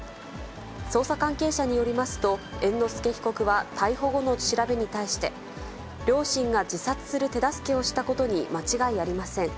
捜査関係者によりますと、猿之助被告は逮捕後の調べに対して、両親が自殺する手助けをしたことに間違いありません。